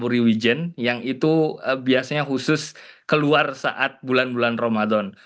undang undang tadi sudah masih banyak yang didapur richland yang biasa khusus membuatnya saat bulan bulan ramadan